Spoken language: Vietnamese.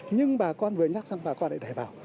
nhưng bà con vừa nhắc xong bà con lại để vào